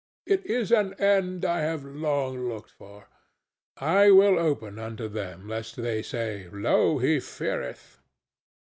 It is an end I have long looked for. I will open unto them lest they say, 'Lo, he feareth!